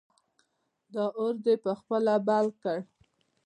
دا اور دې په خپله بل کړ!